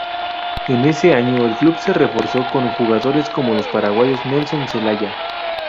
En ese año, el club se reforzó con jugadores como los paraguayos Nelson Zelaya.